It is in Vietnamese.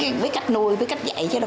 tôi biết cách dạy chứ đâu phải là con tôi